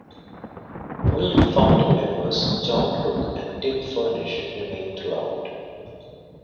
Only founding members Jon Cook and Tim Furnish remained throughout.